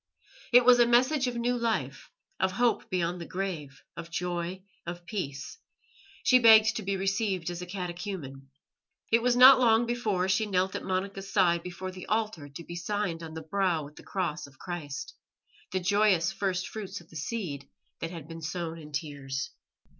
It was a message of new life, of hope beyond the grave, of joy, of peace; she begged to be received as a catechumen. It was not long before she knelt at Monica's side before the altar to be signed on the brow with the Cross of Christ the joyous first fruits of the seed that had been sown in tears.